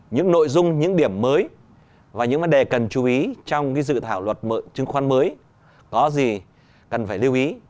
những nội dung những điểm mới và những vấn đề cần chú ý trong dự thảo luật chứng khoán mới có gì cần phải lưu ý